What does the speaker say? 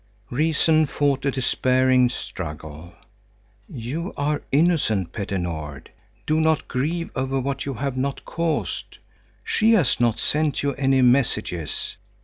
Reason fought a despairing struggle: "You are innocent, Petter Nord. Do not grieve over what you have not caused! She has not sent you any messages.